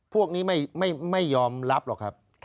พวกนี้ไม่ยอมรับหรอกครับ